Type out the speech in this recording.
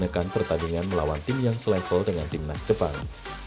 dia mencanakan pertandingan melawan tim yang selevel dengan tim nas jepang